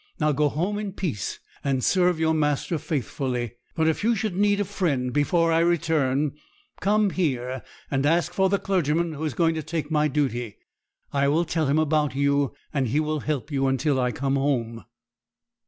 Now go home in peace, and serve your master faithfully; but if you should need a friend before I return, come here and ask for the clergyman who is going to take my duty. I will tell him about you, and he will help you until I come home.'